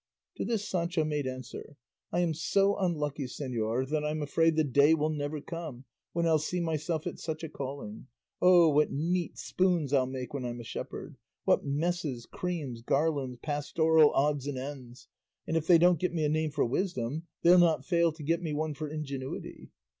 To this Sancho made answer, "I am so unlucky, señor, that I'm afraid the day will never come when I'll see myself at such a calling. O what neat spoons I'll make when I'm a shepherd! What messes, creams, garlands, pastoral odds and ends! And if they don't get me a name for wisdom, they'll not fail to get me one for ingenuity.